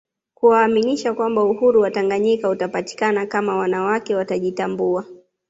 Kuwaaminisha kwamba Uhuru wa Tanganyika utapatikana kama wanawake watajitambua